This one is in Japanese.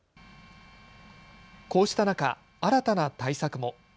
こうした中、新たな対策も。